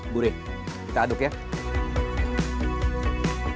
gurih kita aduk ya